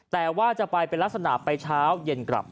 แต่ว่าจะไปเป็นลักษณะไปเช้าเย็นกลับ